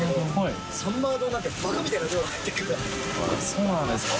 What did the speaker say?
そうなんですか？